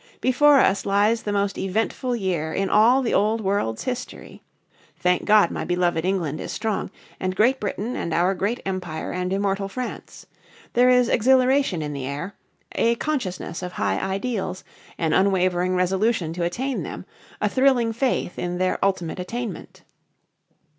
Before us lies the most eventful year in all the old world's history. Thank God my beloved England is strong, and Great Britain and our great Empire and immortal France. There is exhilaration in the air; a consciousness of high ideals; an unwavering resolution to attain them; a thrilling faith in their ultimate attainment.